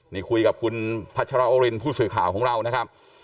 นี่คุยกับคุณพัชรวรินผู้สื่อข่าวของเรานะครับ